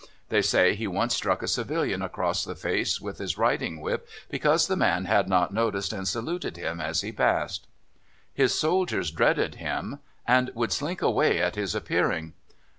They say he once struck a civilian across the face with his riding whip because the man had not noticed and saluted him as he passed. His soldiers dreaded him, and would slink away at his appearing.